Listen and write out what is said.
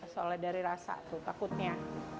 soalnya dari rasa tuh takutnya